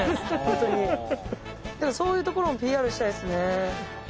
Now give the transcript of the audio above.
ホントにそういうところもＰＲしたいっすね